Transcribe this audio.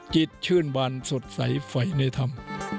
จิตชื่นบันสดใสไฟในธรรม